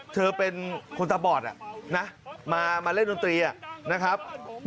เธอเป็นคนตาบอดมาเล่นดนตรีนะครับ